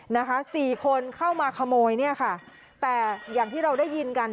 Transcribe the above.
นะคะสี่คนเข้ามาขโมยเนี่ยค่ะแต่อย่างที่เราได้ยินกัน